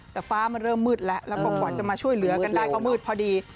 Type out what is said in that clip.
แต่ฟ้ามันเริ่มมืดแล้วแล้วก็กว่าจะมาช่วยเหลือกันได้ก็มืดพอดี